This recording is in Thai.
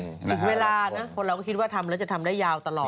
ถึงเวลานะคนเราก็คิดว่าทำแล้วจะทำได้ยาวตลอด